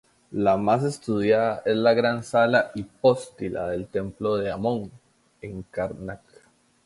La más estudiada es la gran sala hipóstila del templo de Amón en Karnak.